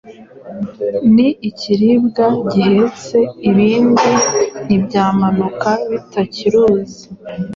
Ni ikiribwa gihatse ibindi Ntibyamanuka bitakiruzi